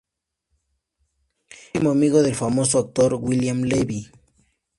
Es íntimo amigo del famoso actor William Levy.